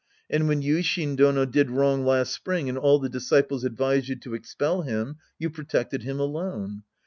And when Yuishin Dono did wrong last spring and all the disciples advised you to expell him, you protect ed him alone.